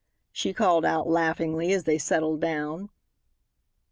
she called out, laughingly, as they settled down.